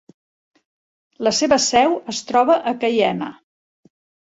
La seva seu es troba a Caiena.